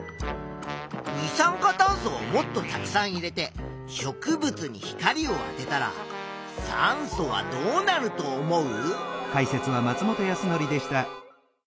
二酸化炭素をもっとたくさん入れて植物に光をあてたら酸素はどうなると思う？